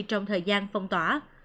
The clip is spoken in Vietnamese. trong thời gian phong tỏa